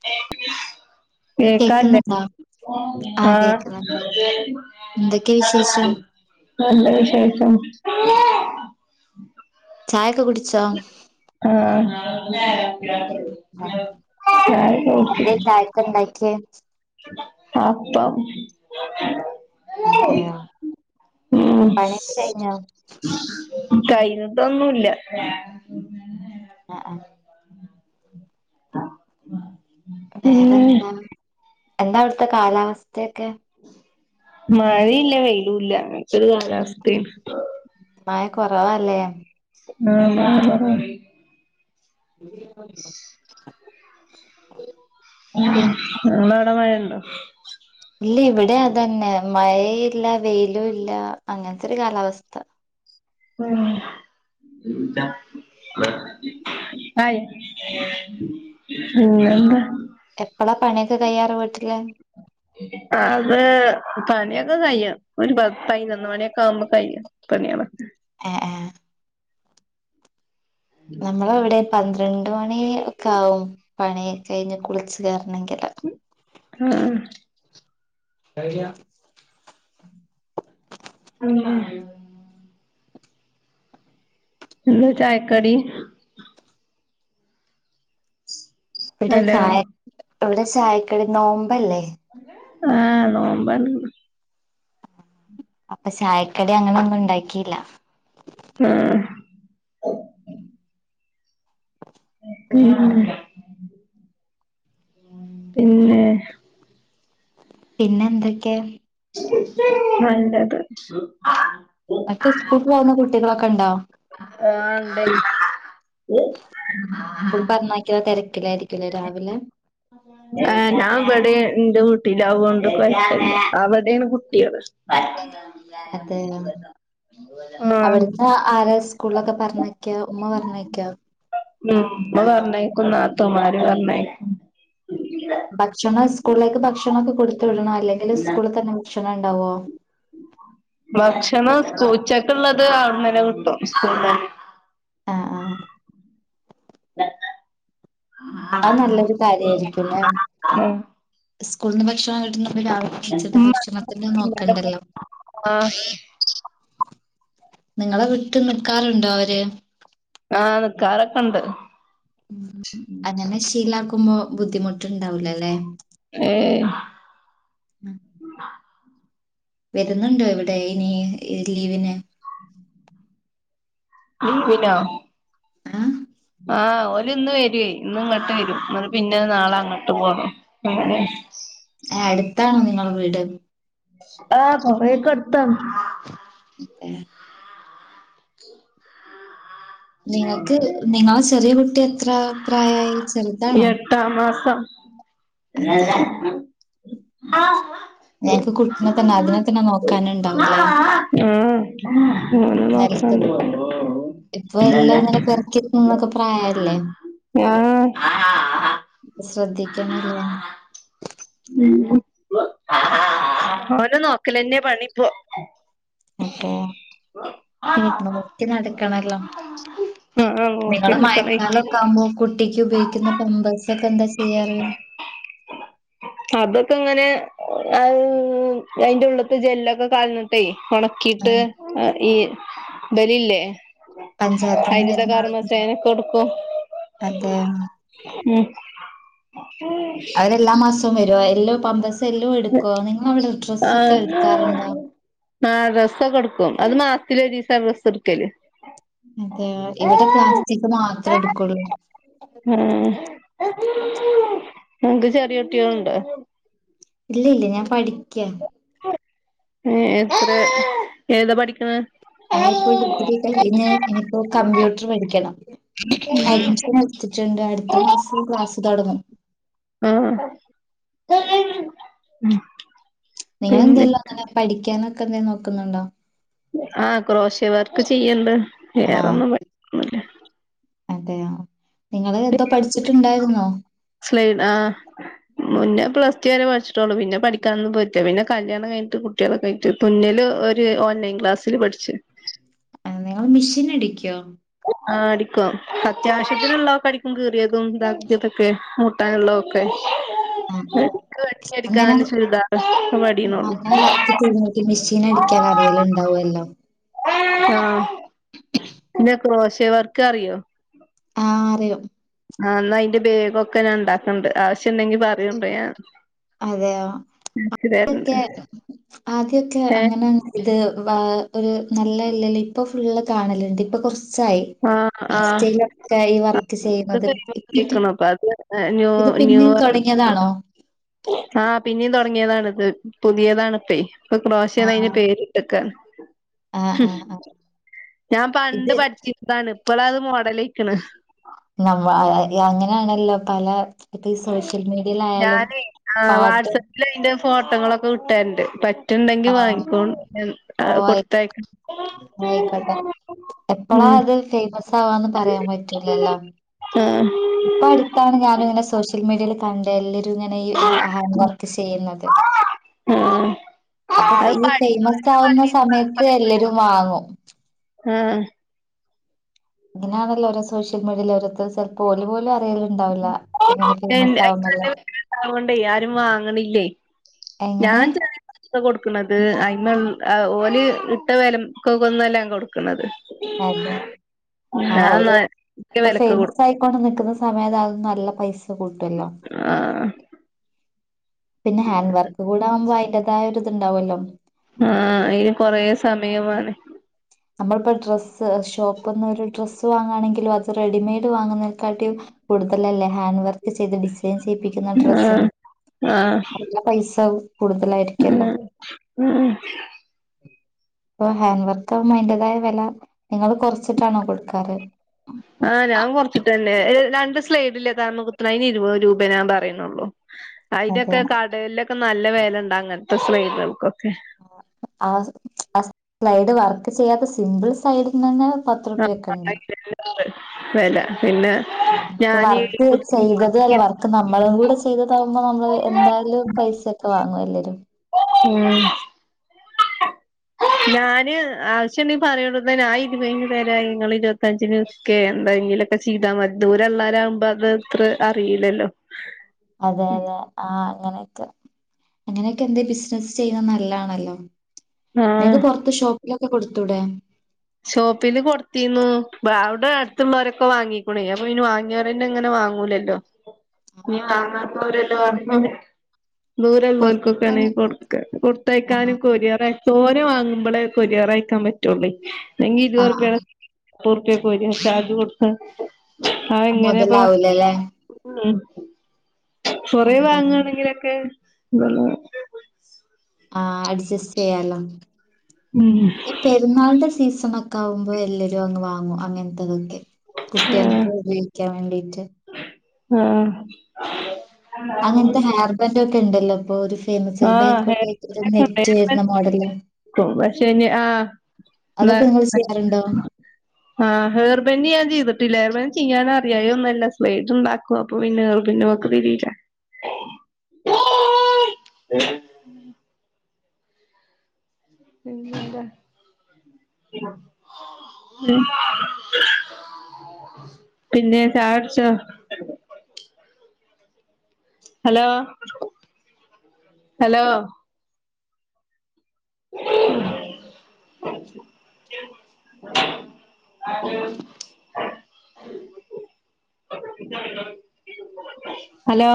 [inaudible] കേക്കൻല്ലേ കേക്കുന്നുണ്ടോ? ആഹ് എന്തൊക്കെ വിശേഷം? നല്ല വിശേഷം ചായയൊക്കെ കുടിച്ചോ ആഹ് ആഹ് എന്തേ ചായക്ക് ഇണ്ടാക്കിയേ? [unintelligible] ആഹപ്പ അതെയോ ഉം പണിയൊക്കെ കഴിഞ്ഞോ? കയ്ഞ്ഞിട്ടൊന്നുല്ല ആഹ് ആഹ് ആഹ് വേറെന്താ എന്താ അവിടുത്തെ കാലാവസ്ഥയൊക്കെ മഴയില്ല വെയിലൂല്ല അങ്ങനക്കരു കാലാവസ്ഥാണ് മയ കുറവല്ലേ ആഹ് മയ കുറവാ [unintelligible] പിൻ ങ്ങവിടെ മഴണ്ടോ ഇല്ല ഇവിടെ അതന്നെ മഴ ഇല്ല വെയിലും ഇല്ല അങ്ങന കാലവസ്ഥ ഉ ആയി ഉ എന്താ എപ്പഴാ പണിയൊക്കെ കയ്യാറ് വീട്ടില്ലേ അത് പണിയൊക്കെ കഴ്യാം ഒരു പത്ത് പതിനതിനൊന്ന് മണിയൊക്കെ ആവുമ്പോ കഴ്യാം പണിയളെ ആഹ ആഹ നമ്മള ഇവിടെ പന്ത്രണ്ട് മണി ഒക്കെ ആാവും പണി കഴിഞ്ഞ് കുളിച്ച കറ ആഹ് കയ ഉം എന്ത ചായ കടി ഇവിടെ ഹലോ ചായ ഇവിടെ ചായക്കടി നോമ്പല്ലേ ആഹ നോമ്പന്ന അപ്പൊ ചായക്കടി അങ്ങനെൊന്നും ഉണ്ടാക്കിയില്ല ആഹ് ഉം പി പിന്നെ പിന്നെ എന്തൊക്കെ നല്ലത് അക്കെ സ്കൂള പോകുന്ന കുട്ടികളൊക്കെ ഉണ്ടോ ആ ഉണ്ട ആലായിരിക്കില്ലേ രാവിലെ ആ ഞാൻ ഇവിടെ എറെ കട്ടില ആാവോണ്ട് കുയ അവിടെയാണ് കുട്ടികള് അതെ പപ്പ അവിടുന്ന് ആരാ സ്കൂളിലൊക്കെ പറഞ്ഞക്ക ഉമ്മ പറഞ്ഞക്ക ഉ വർ നക്കും നത്ത മാരി വർ നയിക്കും ഭക്ഷണം സ്കൂളിലേക്ക് ഭക്ഷണൊക്കെ കൊടുത്തു വിടണോ അല്ലെങ്കില് സ്കൂളിൽ തന്നെ ഭക്ഷണം ഉണ്ടാവോ ഭക്ഷണംച്ചക്ക ഉള്ളത് അവിടുന്നന്നെ കിട്ടും സ്കൂള ആ ആ ആ അത് നല്ലൊരു ആ ഉ സ്കൂള നിന്ന് ഭക്ഷണം കിട്ടുന്നു വർത്തിച്ചത് ഉമ്മ ഭക്ഷണത്തി നോക്കണ്ടല്ലോ ആഹ് നിങ്ങളെ വിട്ട് നിക്കാറുണ്ടോ അവര് ആ നിക്കാറൊക്കെ ഇണ്ട് ഉ അങ്ങനെ ശീലാക്കുമ്പോ ബുദ്ധിമുട്ട്ണ്ടാവൂലല്ലേ ഏ വരുന്നുണ്ടോ ഇവിടെ ഇനി ലീവിന് വിന ആ ആ ഓല് ഇന്ന് വരവേ ഇന്ന് ഇങ്ങോട്ട് വരും എന്ന പിന്നെ നാളെ അങ്ങോട്ട് പോണം അങ്ങനെ ആ അടുത്താണോ നിങ്ങളടെ വീട് ആ കുറേ ഒക്കെ അടുത്താണ് ആ നിങ്ങക്ക് നിങ്ങൾ ചെറിയ കുട്ടി എത്ര പ്രായമായി ചെറുതാണോ അതെയോ ആ ഞങ്ങക്ക് കുട്ടിനെ തന്നെ അതിനെ തന്നെ നോക്കാന ഇണ്ടാവൂലേ ഉം നോക്കണ്ട് അപ്പൊ എല്ലാം ഇങ്ങനെ പെറക്കി എന്നൊക്കെ പ്രായല്ലേ ആഹ് ശ്രദ്ധിക്കണല്ലേ നെ നോക്കലെന്നെ പണിപ്പോ അതെ നോക്കി നടക്കണല്ലോ ആഹ് നോക്കി നിങ്ങള് എടുക്കണേ മഴക്കാലൊക്കെ ആമ്പോ കുട്ടിക്ക് ഉപയോഗിക്കുന്ന പ്ലമ്പേഴ്സൊക്കെ എന്താ ചെയ്യാറ് അതൊക്കെ ഇങ്ങനെ അതിന്റെ ഉള്ളത്തെ ജെല്ലൊക്കെ കൾഞ്ഞ്ട്ടേ ഉണക്കിയിട്ട് ഈ ബല് ല്ലേ പഞ്ചായത്തിന്ന് ഹരിത വരുന്ന കാർമസേനക്കടുക്കും അതെ അവരെല്ലാ മാസവും വ രൊ എല്ലോ പമ്പസ് എല്ലോ എടുക്കോ നിങ്ങളവിടെ ഡ്രസ്സ ഒക്കെ എടുക്കാറുണ്ടോ ആ ഡ്രെസ്സോക്കെ എടുക്കും അത് മാസത്തില ഒരിസ ഡ്രസ്സ്‌ എടുക്കല് അതെ ഇവിടെ പ്ലാസ്റ്റിക് മാത്രേ എടുക്കുള്ളൂ ആഹ് മങ്ക് ചെറിയ കുട്ടിയൾണ്ട് ഇല്ല ഇല്ല ഞാൻ പഠിക്ക ഏ എത്ര ഏതാ പഠിക്കണ ഞൻ ഇപ്പോ ഡിഗ്രി കഴിഞ്ഞ് ഇനിയിപ്പോ കമ്പ്യൂട്ടർ പഠിക്കണം അഡ്മിഷൻ എടുത്തിട്ട്ണ്ട് അടുത്ത മാസം ക്ലാസ് തുടങ്ങും ആ പിന്നെ നിങ്ങെളെന്തെല്ലോ അങ്ങനെ പഠിക്കാനൊക്കെ എന്തും നോക്കുന്നുണ്ടോ ഒക്കെ ചെയ്യണ്ട് വേറെന്നും പറയന്നില്ല അതെയ നിങ്ങള് എന്തോ പഠിച്ചിട്ടുണ്ടായിരുന്നോ സ്ലൈഡ് ആ മുന്നേ പ്ലസ് ടു വരെ പഠിച്ചിട്ടുള്ളു പിന്നെ പഠിക്കാനൊന്നും പറ്റില്ല പിന്നെ കല്യാണം കഴിഞ്ഞട്ട് കുട്ടികളെ കഴിട്ട് മുന്നേിൽ ഓൺലൈൻ ക്ലാസിൽ പഠിച്ചു ആ നിങ്ങള് മെഷീൻ അടിക്കോ ആ അടിക്കും അത്യാവശ്യത്തിനുള്ളതൊക്കെ അടിക്കും കീറിയതുംതാതൊക്കെ മൂട്ടാനുള്ളതൊക്കെ ആ അങ്ങനെ അടിക്കാൻ ചുരിദാർ ഒക്കെ ആ പടിയണള്ളൂ അങ്ങനെ വർക്ക് ചെയ്ത നോട്ടി മെഷീൻ അടിക്കാൻ അറിയല ഇണ്ടാവ ല്ലോ ആഹ ഇക്ക ശേവർക്കറോ ആ അറിയാം ആ് എന്നാ അന്റെ വേഗംൊക്കെ ഞാൻ ഉണ്ടാക്കണ്ട് ആവശ്യം ഉണ്ടെങ്കി പറയണ്ടോ ഞാൻ അതെയ അയച്ച് തരണ്ട് ആദ്യൊക്കെ ആദ്യൊക്കെ ഏഹ് അങ്ങനെ ഇത് വ ഒരു നല്ല ഇല്ലല്ല ഇപ്പൊ ഫുള്ള് കാണലുണ്ട് ഇപ്പൊ കുറച്ച് ആഹ് ആഹ് ായിറ്റൊക്കെ ഈ ഇത് ചെയ്യുന്നത്െ കയ്യ്ണു അപ്പൊ അത് ന്യൂ ഇത് പിന്നെ തുടങ്ങിയതാണോ ആഹ പിന്നെയും തുടങ്ങിയതാണിത് പുതിയതാാണ് ഇപ്പേ ഇപ്പൊ ക്രോശേന്ന അതിന് ആഹ് പേര്ടുക്കാൻ ആഹ് ആഹ് ആഹ് ഞാൻ പണ്ട് ഇത് പഠിച്ചിരതാണ് ഇപ്പോഴ അത് മോഡല നമ്മ അങ്ങനെയാണല്ലോ പല ഇപ്പൊ ഈ സോഷ്യൽ മീഡിയയില ആയാലും ആ വാട്സആപ്പിൽ അതിന്റെ ഫോട്ടോങ്ങളൊക്കെ കിട്ടാറുണ്ട് പ ുണ്ടെങ്കി ആഹ് വാങ്ങിക്കോ ഓ ആയി കൊടുത്തയക്ക എപ്പഴാ ഉം അത് ഫേമസ് ാവാ പറയാൻ പറ്റൂില്ലല്ലോ ആഹ് ഇപ്പ അടുത്താണ് ഞാന ഇങ്ങനെ സോഷ്യൽ മീഡിയയിൽ പണ്ട എല്ലരും ഇങ്ങനെ ഈ ഹാൻഡ് വർക്ക് ചെയ്യുന്നത് ആഹ അപ്പൊ ഈ ഫേമസ് ആവുന്ന സമയത്ത് എല്ലരും വാങ്ങും ആഹ് ഇങ്ങനാണല്ലോ ഓോ സോഷ്യൽ മീഡിയൽഓരത്ത ചിലപ്പോൾഓലപലും അറിയല്ല അല്ലണ്ടാവണ്ടേ ആരും വാങ്ങണില്ലേ എങ്ങനെ ഞാൻ ച കൊടുക്കുന്നത് അ അ്മ ഓല ഇട്ട വലക്കൊക്ക ഒന്നല്ലാം കൊടുക്കുന്നത് അതെ ആഹ നല്ല ഇപ്പൊ വിലക്ക് ഫേമസ് കൊടുക്കും ആയിക്കോണ്ട് നിിക്കുന്ന സമയ അതൊ നല്ല പൈസ കൂട്ടല്ലോ ആഹ് പിന്നെ ഹാൻഡ് വർക്ക് കൂടെ ആകുമ്പോൾ അതിന്റതായ ഒരു ഇതുണ്ടാവുമല്ലോ ആഹ അന് കൊറെ സമയമാണ് നമ്മളിപ്പോൾ ഡ്രസ് ഷോപ്പ് നിന്ന് ഒരു ഡ്രസ്സ് വാങ്ങുകണെങ്കും അത് റെഡിമെയ്ഡ് വാങ്ങുന്ന കടുതലല്ലേ ഹാൻഡ് വർക്ക് ചെയ്ത് ഡ ചെയ്യിപ്പിക്കുന്ന ഡ്രസിന് ആഹ് ആഹ് ന പൈസ ഉം കൂടുതലായിരിക്കല്ലോ ഉം ഇപ്പൊ ഹാൻഡ് വർക്ക് ആ അതിന്റേതായ വില നിങ്ങൾ കുറച്ചിട്ടാണോ കൊടുക്കാറ് ആഹ ഞാൻ കുറച്ചിട്ടന്നെ രണ്ട് സ്ലൈഡില്ലേമ കുത്ത അതിന് ഇരുപത് രൂപേ പറയുന്നുള്ളൂ അതെ അതിനൊക്കെ കടകളിലൊക്കെ നല്ല വേലുണ്ടാ അങ്ങനത്തെ സ്്രീുകൾക്കൊക്കെ സ്ലൈഡ് വർക്ക് ചെയ്യാത്ത സിമ്പിൾ സൈഡിന് തന്നെ പത്ത് ആ റുപ്യൊക്കെ ഉണ്ട് വില പിന്നെ നമക്ക് ഞാന് വർക്ക് ചെയ്തത് അല്ല വർക്ക് നമ്മളും കൂടെ ചെയ്തതാാവകുമ്പോൾ നമ്മള് എന്തായാലും പൈസ ക്കൊ ഉ [unintelligible] ഞാന് ആവശ്യം എന്നീ പറയുള്ളത് ഞാ ഇരുപ തരാഞങ്ങള്ൾ ഇരുപത്തഞ്ചിന ഒക്കെ എന്താ ൊക്കെ ചെയ്താ മതി ദൂരള്ളാരാവകുമ്പോ അത് അത്ര അറിയില്ലല്ലോ അതെ അതെ ആഹ് അങ്ങനെയൊക്കെ അങ്ങനെയൊക്കെ എന്ത ബിസിനസ്സ് ചെയ്യുന്നത് നല്ലതാണല്ലോ ആഹ് നിക്ക് പുറത്ത ഷോപ്പിലൊക്കെ കൊടുത്തൂടെ ഷോപ്പില് കൊടുത്തന്ന് അവിടെ അടുത്തുള്ളവരൊക്കെ വാങ്ങിക്കൂണ അപ്പൊ ഇനി വങ്ങിയവരങ്ങനെ താങ്ങൂലല്ലോ ന താങ്ങൂരല്ലോ പറ ദൂര പൊറത്ത് ഉള്ളവർക്കൊക്കെ ആണെങ്ക ആഹ് പുറത്തയക്കാനും ആഹ് കൊരിിയറ സോന വാങ്ങുമ്പോളേ കൊരിയാർ അയക്കാൻ പറ്റുള്ളേ അെങ്കി ഇരുപുപയുടെ ആഹ് പൊറക്കക്ക പോയിരിക്ക ചാജ് കൊടുത്ത് ആ എങ്ങനെയപ്പോ മൊതലാവൂലല്ലേ കൊറ അതാണ് വാങ്ങയാണെങ്കിലൊക്കെ എന്ത ആ അഡ്ജസ്റ്റ് ചെയ്യാല ഉം ഈ പെരുന്നാളി സീസൺ ഭക്ഷമൊക്ക ആകുമ്പോൾ എല്ലാവരും അങ്ാങ്ങും അങ്ങനത്തതൊക്കെ കുട്ടികൾക്ക് ആഹ് ഉപയോഗിക്കാൻ വേണ്ടിട്ട് ആഹ അങ്ങനത്തെ ഹെയർ ബൻഡ ഒക്കെ ഉണ്ടല്ലോ അപ്പൊ ഒരു ഫേമസ് ഒരു ആഹ് ബേക്കോട്ട ഹെയർ ഒരു നെറ്റ് വരുന്ന മോഡല ക്കും പക്ഷെ ഇനി ആഹ് ന്ന അതൊക്കെ നിങ്ങൾ ചെയ്യാറുണ്ടോ ആഹ് ഹെർബന് ഞാൻ്തിട്ടില്ല ഹർബൻ ചെയഞാൻ അറിയതേ ഒന്നുമല്ല സ്ലേറ്റ്്ണ്ടാക്കും അപ്പൊ പിന്നുക പിന്ന ഒക്കെ തരില ക [unintelligible] പില്ല ഉ പിന്നെ ചാർച ഹലോ ഹലോ അ അ അ ഹലോ